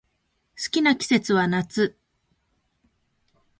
好きな季節は夏